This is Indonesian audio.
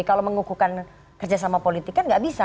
kalau mengukuhkan kerjasama politik kan nggak bisa